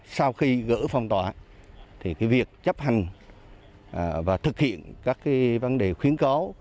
sau khi gỡ phong tỏa thì việc chấp hành và thực hiện các vấn đề khuyến cáo